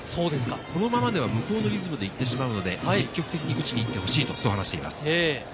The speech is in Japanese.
このままでは向こうのリズムでいってしまうので、積極的に打ちにいってほしいと話しています。